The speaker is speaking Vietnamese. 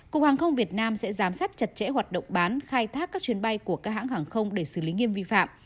cục hàng không việt nam sẽ giám sát chặt chẽ hoạt động bán khai thác các chuyến bay của các hãng hàng không để xử lý nghiêm vi phạm